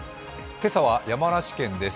今朝は山梨県です。